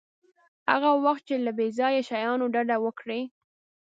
هغه وخت چې له بې ځایه شیانو ډډه وکړئ.